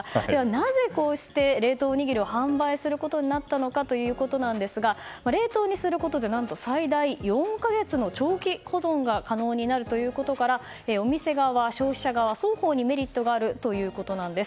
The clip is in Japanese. なぜ、こうして冷凍おにぎりを販売することになったのかということですが冷凍にすることで何と最大４か月の長期保存が可能になるということからお店側は消費者側双方にメリットがあるということです。